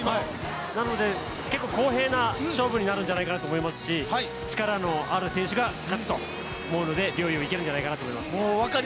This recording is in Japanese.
なので結構、公平な勝負になるんじゃないかと思いますし力のある選手が勝つと思うので陵侑もいけるんじゃないかと思います。